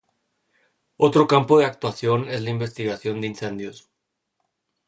Otro campo de actuación es la investigación de incendios.